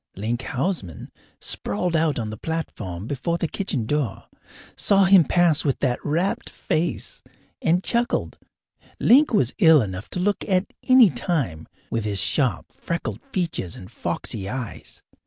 Link Houseman, sprawled out on the platform before the kitchen door, saw him pass with that rapt face, and chuckled. Link was ill enough to look at any time, with his sharp, freckled features and foxy eyes.